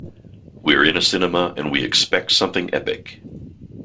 We're in a cinema, and we expect something epic.